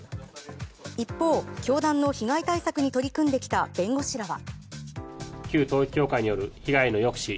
一方、教団の被害対策に取り組んできた弁護士らは。